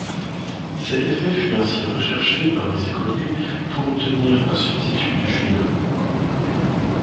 Cet effet fut ainsi recherché par des écoliers pour obtenir un substitut du chewing-gum.